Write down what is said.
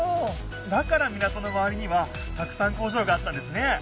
だから港のまわりにはたくさん工場があったんですね！